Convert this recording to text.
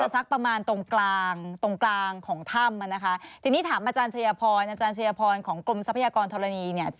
สมมุติเจอหาดปัทยาก่อนเนี่ย